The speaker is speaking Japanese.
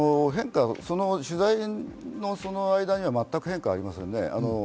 取材の間には全く変化はありませんね。